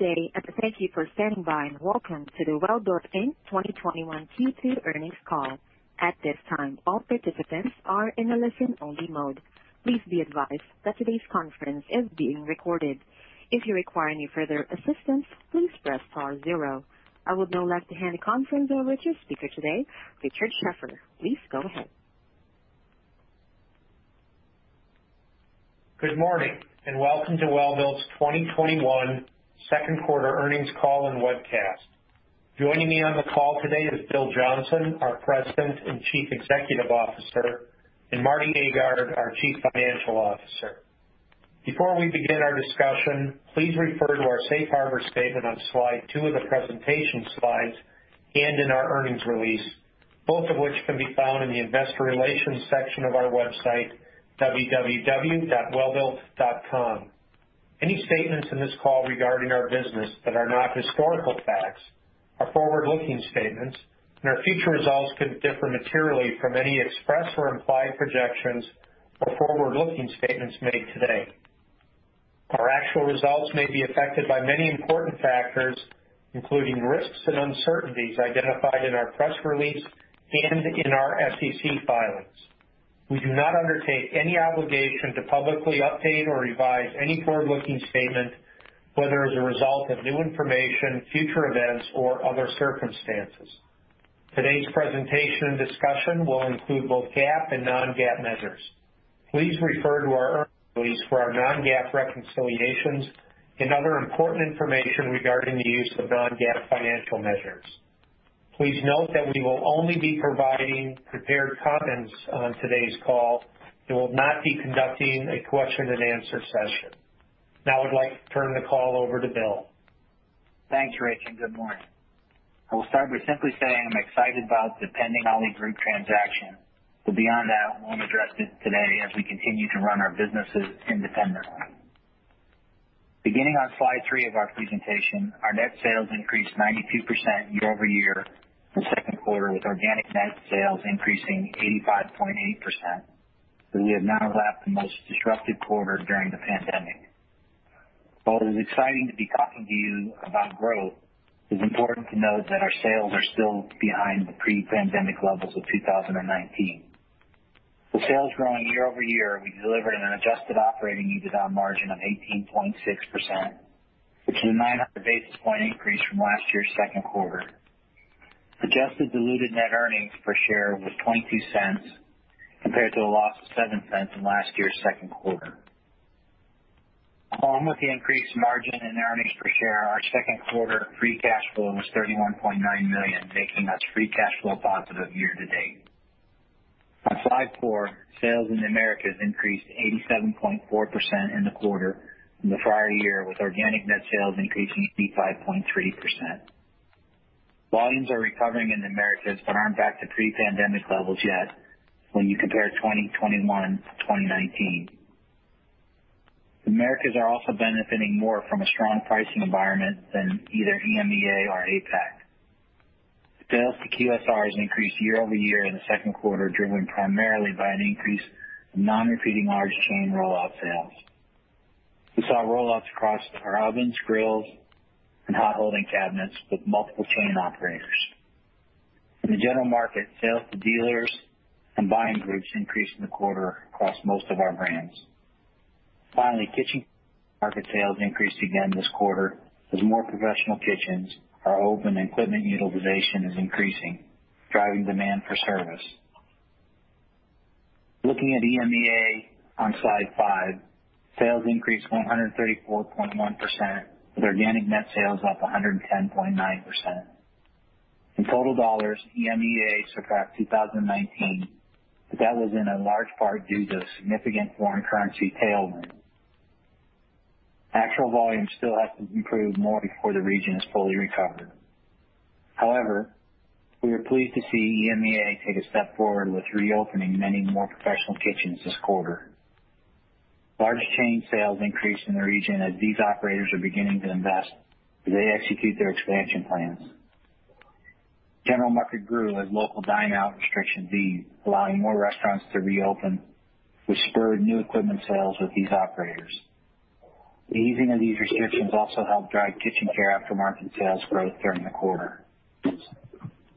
Good day. Thank you for standing by. Welcome to the Welbilt, Inc. 2021 Q2 earnings call. At this time all participants are in a listen-only mode. Please be advised that todays conference is being recorded. If you require any further assistance please press star zero. I would now like to hand the conference over to speaker today, Richard Sheffer. Please go ahead. Good morning, welcome to Welbilt's 2021 second quarter earnings call and webcast. Joining me on the call today is Bill Johnson, our President and Chief Executive Officer, and Martin Agard, our Chief Financial Officer. Before we begin our discussion, please refer to our safe harbor statement on slide two of the presentation slides and in our earnings release, both of which can be found in the investor relations section of our website, www.welbilt.com. Any statements in this call regarding our business that are not historical facts are forward-looking statements, and our future results could differ materially from any expressed or implied projections or forward-looking statements made today. Our actual results may be affected by many important factors, including risks and uncertainties identified in our press release and in our SEC filings. We do not undertake any obligation to publicly update or revise any forward-looking statement, whether as a result of new information, future events, or other circumstances. Today's presentation and discussion will include both GAAP and non-GAAP measures. Please refer to our earnings release for our non-GAAP reconciliations and other important information regarding the use of non-GAAP financial measures. Please note that we will only be providing prepared comments on today's call and will not be conducting a question-and-answer session. Now I'd like to turn the call over to Bill. Thanks, Rich. Good morning. I will start by simply saying I'm excited about the pending Ali Group transaction. Beyond that, we won't address it today as we continue to run our businesses independently. Beginning on slide three of our presentation, our net sales increased 92% year-over-year in the second quarter, with organic net sales increasing 85.8%. We have now left the most disruptive quarter during the pandemic. While it is exciting to be talking to you about growth, it is important to note that our sales are still behind the pre-pandemic levels of 2019. With sales growing year-over-year, we delivered an adjusted operating EBITDA margin of 18.6%, which is a 900 basis point increase from last year's second quarter. Adjusted diluted net earnings per share was $0.22, compared to a loss of $0.07 in last year's second quarter. Along with the increased margin in earnings per share, our second quarter free cash flow was $31.9 million, making us free cash flow positive year to date. On slide 4, sales in the Americas increased 87.4% in the quarter from the prior year, with organic net sales increasing 55.3%. Volumes are recovering in the Americas but aren't back to pre-pandemic levels yet when you compare 2021 to 2019. The Americas are also benefiting more from a strong pricing environment than either EMEA or APAC. Sales to QSRs increased year-over-year in the second quarter, driven primarily by an increase in non-repeating large chain rollout sales. We saw rollouts across our ovens, grills, and hot holding cabinets with multiple chain operators. In the general market, sales to dealers and buying groups increased in the quarter across most of our brands. Finally, KitchenCare sales increased again this quarter as more professional kitchens are open and equipment utilization is increasing, driving demand for service. Looking at EMEA on slide five, sales increased 134.1%, with organic net sales up 110.9%. In total dollars, EMEA surpassed 2019, but that was in a large part due to significant foreign currency tailwind. Actual volumes still have to improve more before the region is fully recovered. However, we are pleased to see EMEA take a step forward with reopening many more professional kitchens this quarter. Large chain sales increased in the region as these operators are beginning to invest as they execute their expansion plans. General market grew as local dine out restrictions eased, allowing more restaurants to reopen, which spurred new equipment sales with these operators. The easing of these restrictions also helped drive KitchenCare aftermarket sales growth during the quarter.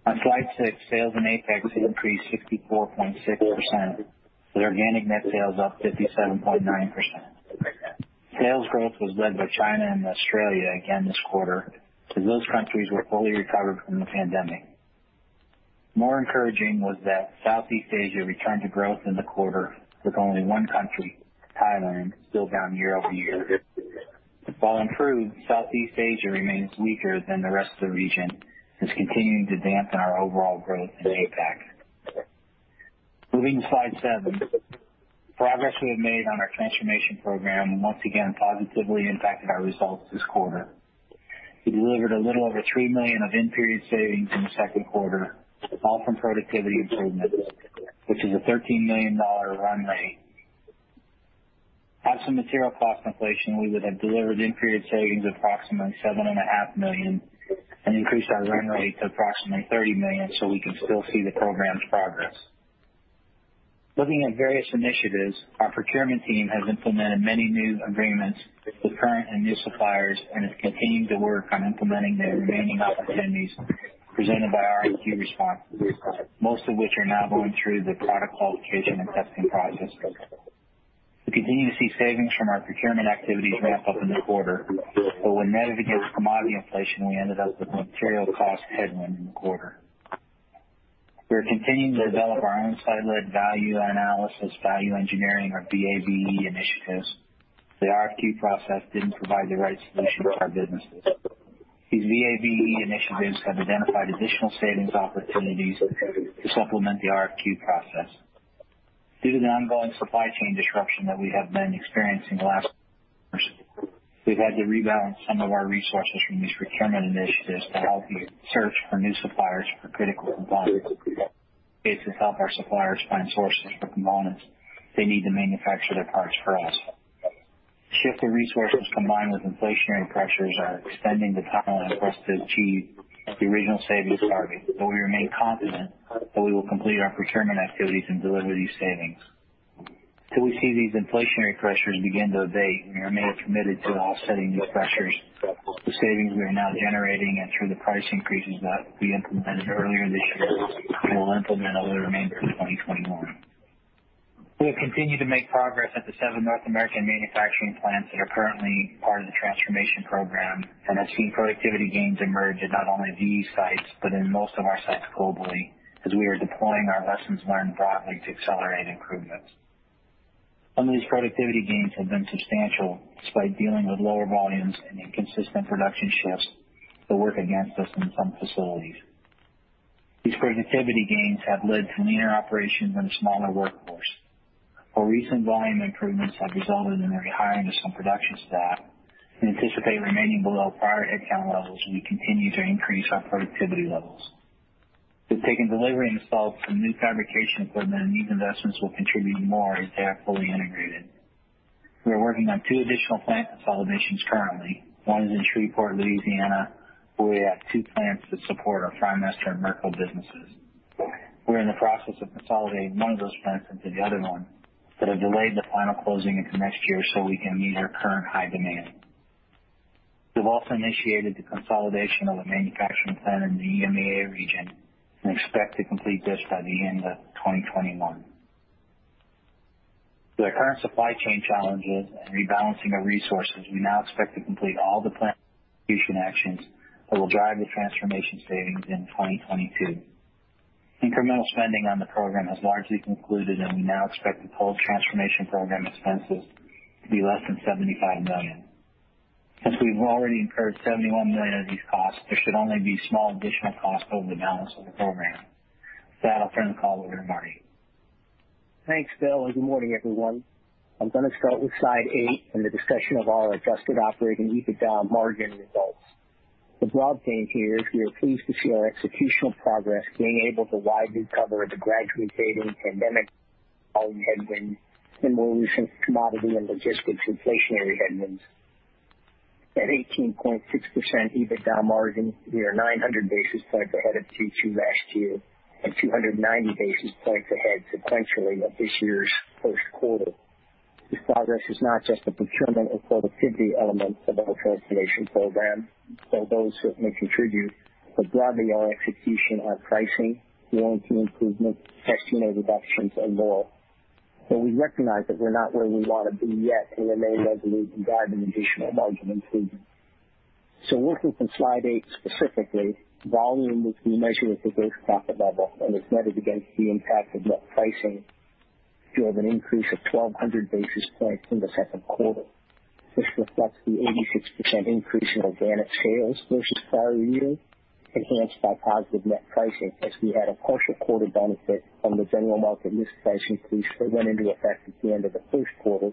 On slide six, sales in APAC increased 64.6%, with organic net sales up 57.9%. Sales growth was led by China and Australia again this quarter, as those countries were fully recovered from the pandemic. More encouraging was that Southeast Asia returned to growth in the quarter, with only one country, Thailand, still down year-over-year. Falling through, Southeast Asia remains weaker than the rest of the region and is continuing to dampen our overall growth in APAC. Moving to slide seven. Progress we have made on our transformation program once again positively impacted our results this quarter. We delivered a little over $3 million of in-period savings in the second quarter, all from productivity improvements, which is a $13 million run rate. Absent material cost inflation, we would have delivered in-period savings of approximately $7.5 Million and increased our run rate to approximately $30 million. We can still see the program's progress. Looking at various initiatives, our procurement team has implemented many new agreements with current and new suppliers and is continuing to work on implementing the remaining opportunities presented by RFQ responses, most of which are now going through the product qualification and testing process. We continue to see savings from our procurement activities ramp up in the quarter. When net of against commodity inflation, we ended up with a material cost headwind in the quarter. We are continuing to develop our own site-led value analysis, value engineering, or VAVE initiatives. The RFQ process didn't provide the right solutions for our businesses. These VAVE initiatives have identified additional savings opportunities to supplement the RFQ process. Due to the ongoing supply chain disruption that we have been experiencing the last we've had to rebalance some of our resources from these procurement initiatives to help us search for new suppliers for critical components. It's to help our suppliers find sources for components they need to manufacture their parts for us. Shift of resources, combined with inflationary pressures, are extending the timeline for us to achieve the original savings target. We remain confident that we will complete our procurement activities and deliver these savings. Till we see these inflationary pressures begin to abate, we remain committed to offsetting these pressures through savings we are now generating and through the price increases that we implemented earlier this year, and we will implement over the remainder of 2021. We have continued to make progress at the seven North American manufacturing plants that are currently part of the transformation program and have seen productivity gains emerge at not only these sites, but in most of our sites globally as we are deploying our lessons learned broadly to accelerate improvements. Some of these productivity gains have been substantial despite dealing with lower volumes and inconsistent production shifts that work against us in some facilities. These productivity gains have led to leaner operations and a smaller workforce. Our recent volume improvements have resulted in the re-hiring of some production staff. We anticipate remaining below prior headcount levels as we continue to increase our productivity levels. We've taken delivery and installed some new fabrication equipment, and these investments will contribute more as they are fully integrated. We are working on two additional plant consolidations currently. One is in Shreveport, Louisiana, where we have two plants that support our Frymaster and Merco businesses. We're in the process of consolidating one of those plants into the other one that have delayed the final closing into next year so we can meet our current high demand. We've also initiated the consolidation of a manufacturing plant in the EMEA region and expect to complete this by the end of 2021. Through the current supply chain challenges and rebalancing of resources, we now expect to complete all the planned actions that will drive the transformation savings in 2022. Incremental spending on the program has largely concluded. We now expect the total transformation program expenses to be less than $75 million. Since we've already incurred $71 million of these costs, there should only be small additional costs over the balance of the program. With that, I'll turn the call over to Martin. Thanks, Bill, good morning, everyone. I'm going to start with slide eight and the discussion of our adjusted operating EBITDA margin results. The broad theme here is we are pleased to see our executional progress being able to widely cover the gradually fading pandemic headwind and more recent commodity and logistics inflationary headwinds. At 18.6% EBITDA margin, we are 900 basis points ahead of Q2 last year and 290 basis points ahead sequentially of this year's first quarter. This progress is not just the procurement or productivity elements of our transformation program, though those certainly contribute, but broadly our execution, our pricing, warranty improvements, head count reductions, and more. We recognize that we're not where we want to be yet, and we remain resolute in driving additional margin improvement. Looking from slide eight specifically, volume, which we measure at the gross profit level and is netted against the impact of net pricing, drove an increase of 1,200 basis points in the second quarter. This reflects the 86% increase in organic sales versus prior year, enhanced by positive net pricing as we had a partial quarter benefit from the general market list price increase that went into effect at the end of the first quarter,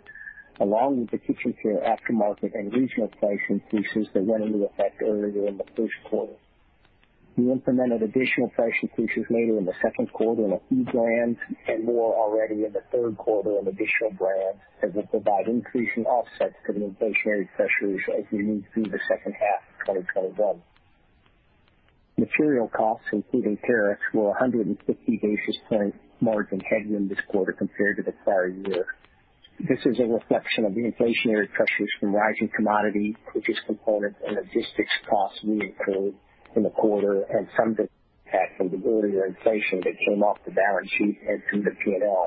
along with the KitchenCare aftermarket and regional price increases that went into effect earlier in the first quarter. We implemented additional price increases made in the second quarter in a few brands and more already in the third quarter in additional brands that will provide increasing offsets to the inflationary pressures as we move through the second half of 2021. Material costs, including tariffs, were 150 basis point margin headwind this quarter compared to the prior year. This is a reflection of the inflationary pressures from rising commodity, purchase component, and logistics costs we incurred in the quarter and some of the impact from the earlier inflation that came off the balance sheet and from the P&L.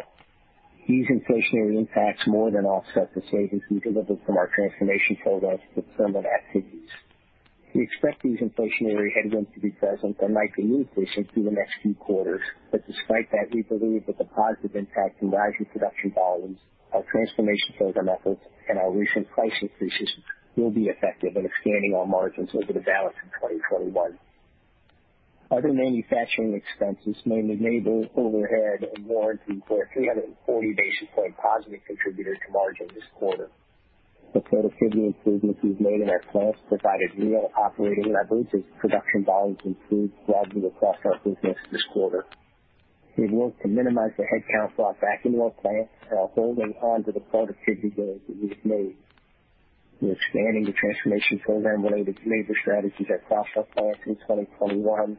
These inflationary impacts more than offset the savings we delivered from our transformation program's procurement activities. We expect these inflationary headwinds to be present and might be increasing through the next few quarters. Despite that, we believe that the positive impact from rising production volumes, our transformation program efforts, and our recent price increases will be effective in expanding our margins over the balance of 2021. Other manufacturing expenses, mainly labor, overhead, and warranty, were a 340 basis point positive contributor to margin this quarter. The productivity improvements we've made in our plants provided real operating leverage as production volumes improved broadly across our business this quarter. We've worked to minimize the headcount drop back in our plants while holding on to the productivity gains that we've made. We're expanding the transformation program related to major strategies across our platform in 2021.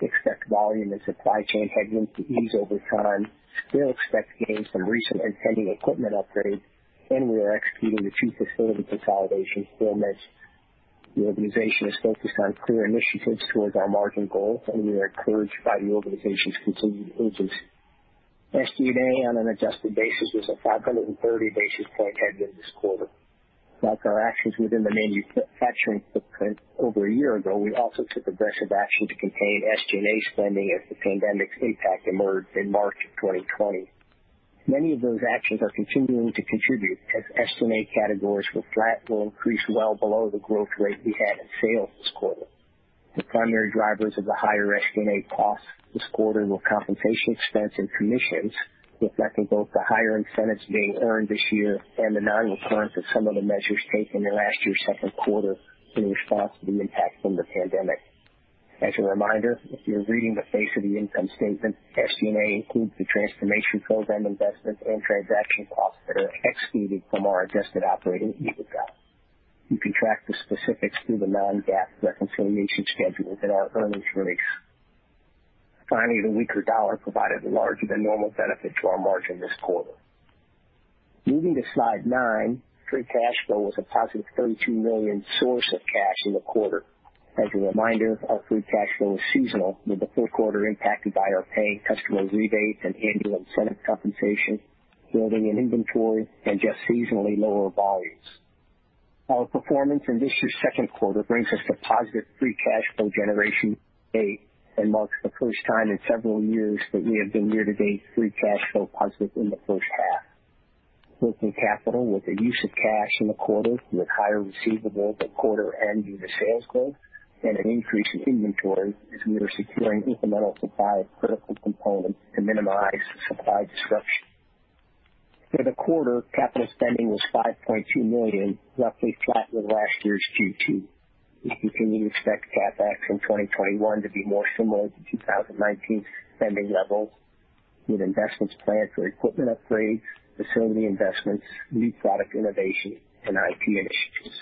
We expect volume and supply chain headwinds to ease over time. We still expect gains from recent and pending equipment upgrades, and we are executing the two facility consolidation formats. The organization is focused on clear initiatives towards our margin goals, and we are encouraged by the organization's continued urgency. SG&A on an adjusted basis was a 530 basis point headwind this quarter. Like our actions within the manufacturing footprint over a year ago, we also took aggressive action to contain SG&A spending as the pandemic's impact emerged in March of 2020. Many of those actions are continuing to contribute, as SG&A categories were flat or increased well below the growth rate we had in sales this quarter. The primary drivers of the higher SG&A costs this quarter were compensation expense and commissions, reflecting both the higher incentives being earned this year and the non-recurrence of some of the measures taken in last year's second quarter in response to the impact from the pandemic. As a reminder, if you're reading the face of the income statement, SG&A includes the transformation program investment and transaction costs that are excluded from our adjusted operating EBITDA. You can track the specifics through the non-GAAP reconciliation schedule in our earnings release. Finally, the weaker dollar provided a larger than normal benefit to our margin this quarter. Moving to slide nine, free cash flow was a positive $32 million source of cash in the quarter. As a reminder, our free cash flow is seasonal, with the fourth quarter impacted by our paying customer rebates and annual incentive compensation, building in inventory, and just seasonally lower volumes. Our performance in this year's second quarter brings us to positive free cash flow generation to date and marks the first time in several years that we have been year-to-date free cash flow positive in the first half. Working capital, with the use of cash in the quarter, with higher receivables at quarter end due to sales growth and an increase in inventory as we are securing incremental supply of critical components to minimize supply disruption. For the quarter, capital spending was $5.2 million, roughly flat with last year's Q2. We continue to expect CapEx in 2021 to be more similar to 2019 spending levels, with investments planned for equipment upgrades, facility investments, new product innovation, and IT initiatives.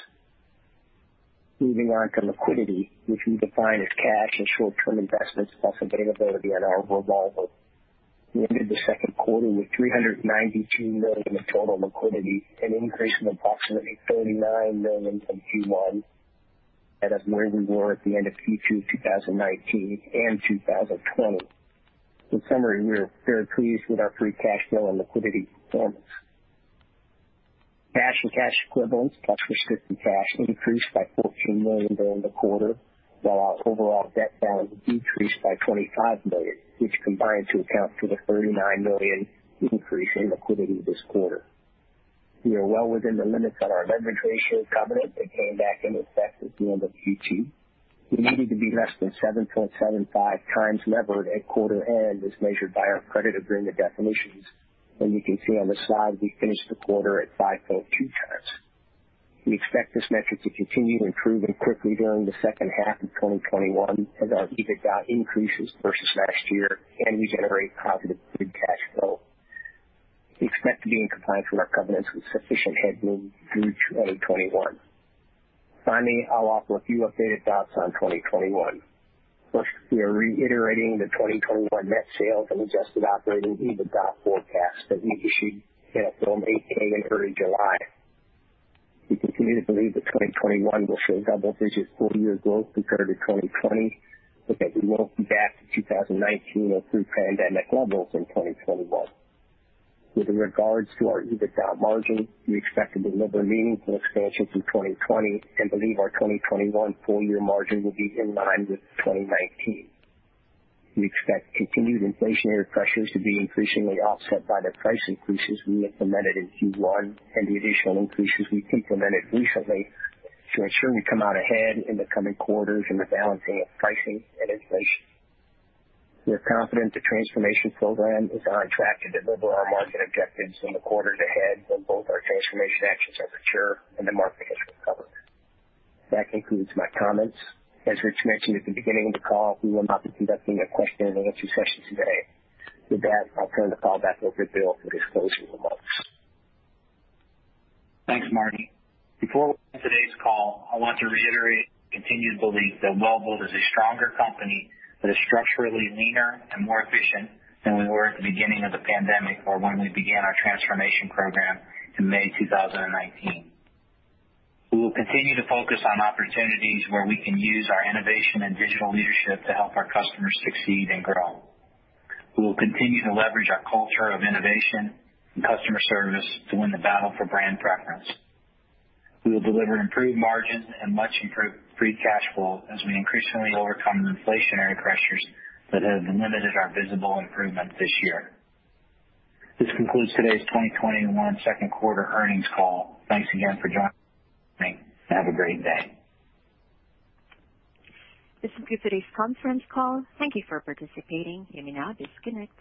Moving on to liquidity, which we define as cash and short-term investments plus availability on our revolver. We ended the second quarter with $392 million of total liquidity, an increase of approximately $39 million from Q1, and that's where we were at the end of Q2 2019 and 2020. In summary, we are very pleased with our free cash flow and liquidity performance. Cash and cash equivalents plus restricted cash increased by $14 million during the quarter, while our overall debt balance decreased by $25 million, which combined to account for the $39 million increase in liquidity this quarter. We are well within the limits of our leverage ratio covenant that came back into effect at the end of Q2. We needed to be less than 7.75x levered at quarter end, as measured by our credit agreement definitions. You can see on the slide, we finished the quarter at 5.2x. We expect this metric to continue to improve and quickly during the second half of 2021 as our EBITDA increases versus last year and we generate positive free cash flow. We expect to be in compliance with our covenants with sufficient headroom through 2021. Finally, I'll offer a few updated thoughts on 2021. First, we are reiterating the 2021 net sales and adjusted operating EBITDA forecast that we issued at Form 8-K in early July. We continue to believe that 2021 will show double-digit full-year growth compared to 2020, but that we won't be back to 2019 or pre-pandemic levels in 2021. With regards to our EBITDA margin, we expect to deliver meaningful expansion from 2020 and believe our 2021 full-year margin will be in line with 2019. We expect continued inflationary pressures to be increasingly offset by the price increases we implemented in Q1 and the additional increases we implemented recently to ensure we come out ahead in the coming quarters in the balancing of pricing and inflation. We are confident the transformation program is on track to deliver our margin objectives in the quarters ahead when both our transformation actions have matured and the market has recovered. That concludes my comments. As Rich mentioned at the beginning of the call, we will not be conducting a question-and-answer session today. With that, I'll turn the call back over to Bill for his closing remarks. Thanks, Marty. Before we end today's call, I want to reiterate our continued belief that Welbilt is a stronger company that is structurally leaner and more efficient than we were at the beginning of the pandemic or when we began our transformation program in May 2019. We will continue to focus on opportunities where we can use our innovation and digital leadership to help our customers succeed and grow. We will continue to leverage our culture of innovation and customer service to win the battle for brand preference. We will deliver improved margins and much improved free cash flow as we increasingly overcome the inflationary pressures that have limited our visible improvement this year. This concludes today's 2021 second quarter earnings call. Thanks again for joining. Have a great day. This concludes today's conference call. Thank you for participating. You may now disconnect.